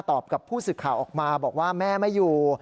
กับผู้สื่อข่าวออกมาบอกว่าแม่ไม่อยู่